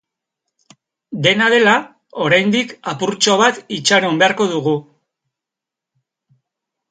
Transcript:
Dena dela, oraindik apurtxo bat itxaron beharko dugu.